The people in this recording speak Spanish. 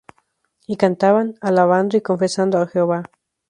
Y cantaban, alabando y confesando á Jehová.